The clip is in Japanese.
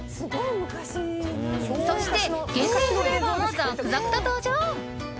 そして、限定フレーバーも続々と登場！